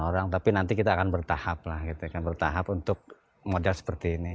delapan orang tapi nanti kita akan bertahap lah kita akan bertahap untuk modal seperti ini